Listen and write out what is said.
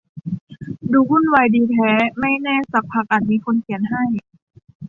ดูวุ่นวายดีแท้ ไม่แน่ซักพักอาจมีคนเขียน ให้